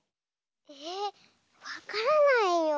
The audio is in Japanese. ええわからないよ。